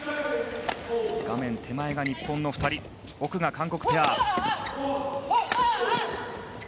画面手前が日本の２人奥が韓国ペア。